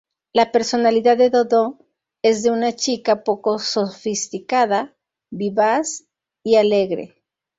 La personalidad de Dodo es de una chica poco sofisticada, vivaz y alegre.